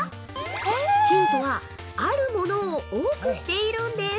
ヒントは、あるものを多くしているんです。